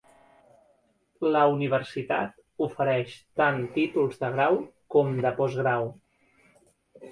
La universitat ofereix tant títols de grau com de postgrau.